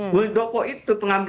muldoko itu pengambil